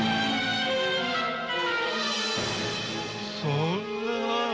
そんな。